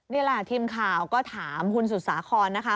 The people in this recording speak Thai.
นี่แหละทีมข่าวก็ถามคุณสุสาครนะคะ